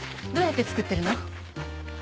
どうやって作ってるの？